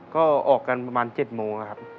ก็ออกกันประมาณ๗โมงนะครับ